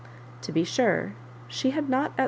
To be sure, she had not at t.